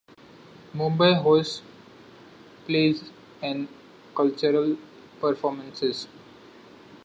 Mumbai hosts plays and cultural performances.